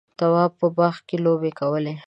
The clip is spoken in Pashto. تواب په باغ کې لوبې کولې.